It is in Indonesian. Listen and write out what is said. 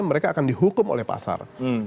mereka akan dihukum oleh pasar